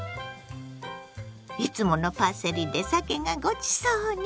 いつものパセリでさけがごちそうに。